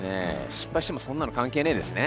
失敗してもそんなの関係ねぇですね。